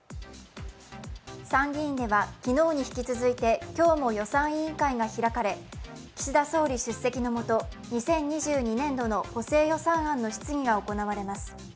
参議院では昨日に引き続いて今日も予算委員会が開かれ岸田総理出席のもと、２０２２年度の補正予算案の質疑が行われます。